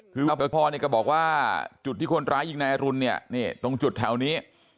คือเอาไปพรเนี่ยก็บอกว่าจุดที่คนร้ายยิงนายอรุณเนี่ยตรงจุดแถวนี้